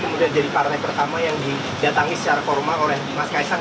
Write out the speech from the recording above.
kemudian jadi partai pertama yang didatangi secara formal oleh mas kaisang